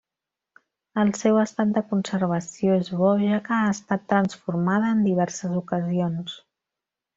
El seu estat de conservació és bo, ja que ha estat transformada en diverses ocasions.